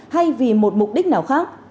hay vì một mục đích nào khác